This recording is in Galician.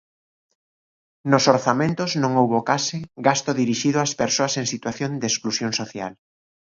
Nos orzamentos non houbo case gasto dirixido ás persoas en situación de exclusión social.